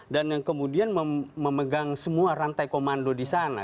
dan yang kemudian memegang semua rantai komando di sana